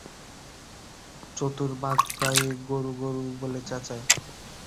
চতুর বাঘ প্রায়ই গরু গরু বলে চেঁচায়।